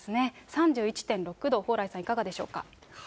３１．６度、蓬莱さん、いかがでしょうか。